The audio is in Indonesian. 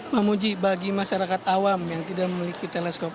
pak muji bagi masyarakat awam yang tidak memiliki teleskop